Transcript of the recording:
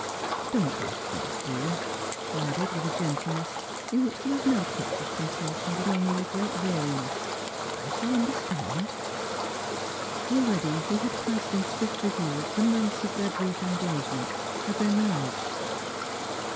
Don't be afraid, dear," he added, with a gentleness in which there was no touch of compulsion, but only a great weariness, " I shall — understand." Already he had passed in swift review the months of their brief engagement — of their mar riage.